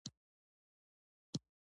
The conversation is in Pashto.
چوغالی د اوښانو د تړلو ځای او تویلې ته وايي.